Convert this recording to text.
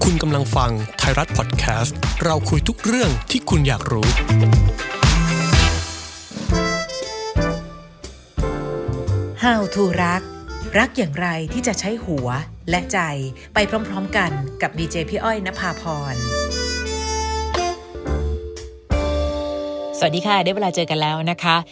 สวัสดีค่ะได้เวลาเจอกันแล้วนะคะ